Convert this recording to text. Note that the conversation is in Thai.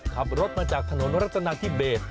ขับรถมาจากถนนรัตนาที่เบรด